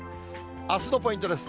あすのポイントです。